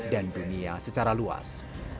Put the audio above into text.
dan dunia secara luas